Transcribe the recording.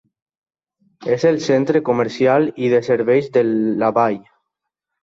És el centre comercial i de serveis de la vall.